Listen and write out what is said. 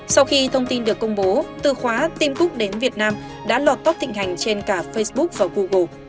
sau khi thông tin được công bố từ khóa tim cook đến việt nam đã lọt tóc thịnh hành trên cả facebook và google